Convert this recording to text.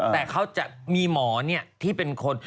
แต่เขาจะมีหมอที่เป็นคน